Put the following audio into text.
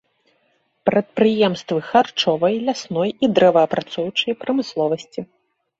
Прадпрыемствы харчовай, лясной і дрэваапрацоўчай прамысловасці.